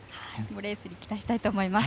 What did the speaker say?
レースに期待したいと思います。